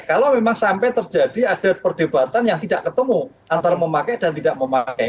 kalau memang sampai terjadi ada perdebatan yang tidak ketemu antara memakai dan tidak memakai